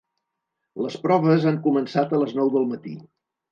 Les proves han començat a les nou del matí.